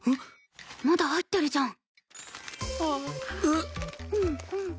まだ入ってるじゃん。